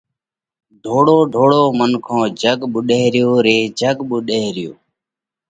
ڍوڙو ڍوڙو منکون، جڳ ٻُوڏئه ريو ري، جڳ ٻُوڏئه ريو۔